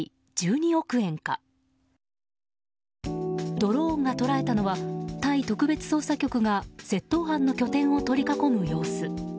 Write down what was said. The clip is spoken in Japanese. ドローンが捉えたのはタイ特別捜査局が窃盗犯の拠点を取り囲む様子。